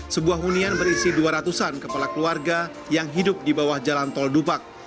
sebuah hunian berisi dua ratusan kepala keluarga yang hidup di bawah jalan tol dupak